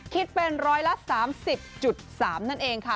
คิดเป็น๑๓๐๓นั่นเองค่ะ